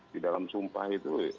di dalam sumpah itu